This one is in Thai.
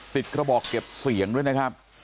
กระบอกเก็บเสียงด้วยนะครับ